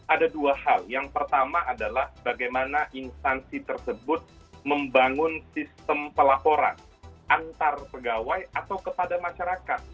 ada dua hal yang pertama adalah bagaimana instansi tersebut membangun sistem pelaporan antar pegawai atau kepada masyarakat